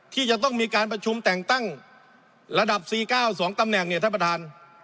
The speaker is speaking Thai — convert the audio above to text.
ที่จะต้องมีการประชุมแต่งตั้งระดับ๔๙๒ตำแหน่งเนี่ยท่านประธาน